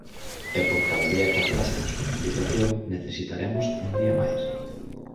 E por cada día que atrasen a súa publicación necesitaremos un día máis.